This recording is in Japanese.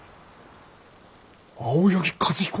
青柳和彦？